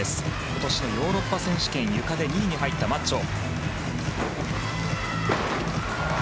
今年のヨーロッパ選手権ゆかで２位に入ったマッジョ。